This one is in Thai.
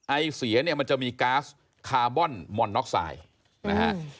ไอเสียเนี่ยมันจะมีก๊าซคาร์บอนมอนน็อกไซด์นะฮะ